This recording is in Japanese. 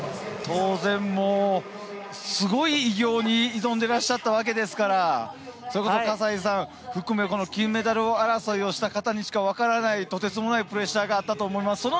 当然すごい偉業に挑んでいらっしゃったわけですからそれこそ葛西さん含め金メダル争いをした方にしか分からない、とてつもないプレッシャーがあったと思います。